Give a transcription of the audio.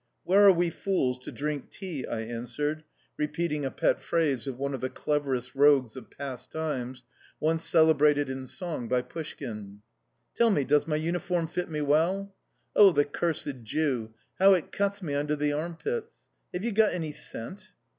"'Where are we fools to drink tea!'" I answered, repeating a pet phrase of one of the cleverest rogues of past times, once celebrated in song by Pushkin. "Tell me, does my uniform fit me well?... Oh, the cursed Jew!... How it cuts me under the armpits!... Have you got any scent?"